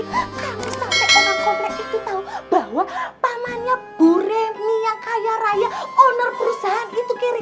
bahkan sampai orang kompleks itu tahu bahwa pamannya bu reni yang kaya raya owner perusahaan itu kiri